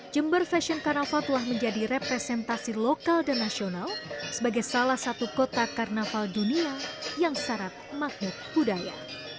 jember fashion carnaval telah menjadi representasi lokal dan nasional sebagai salah satu kota karnaval dunia yang syarat magnet budaya